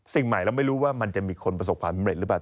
สิ่งใหม่เราไม่รู้ว่ามันจะมีคนประสบความสำเร็จหรือเปล่า